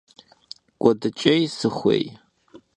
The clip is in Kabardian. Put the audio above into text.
Kuedıç'êy sıxuêy?